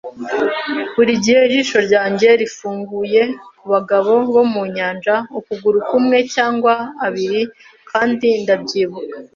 burigihe ijisho ryanjye rifunguye kubagabo bo mu nyanja, ukuguru kumwe cyangwa abiri, kandi ndabyibuka